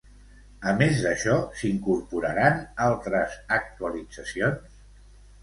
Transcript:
A més d'això, s'incorporaran altres actualitzacions?